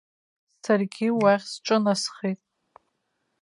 Саргьы уахь сҿынасхеит.